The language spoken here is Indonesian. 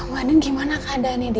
bu andien gimana keadaannya d